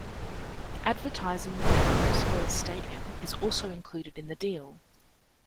Advertising within Lucas Oil Stadium is also included in the deal.